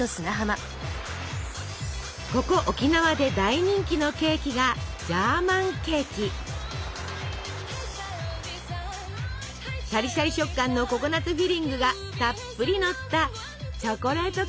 ここ沖縄で大人気のケーキがシャリシャリ食感のココナツフィリングがたっぷりのったチョコレートケーキです。